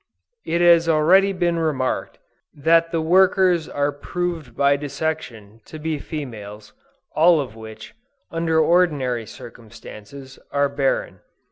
It has already been remarked, that the workers are proved by dissection to be females, all of which, under ordinary circumstances, are barren.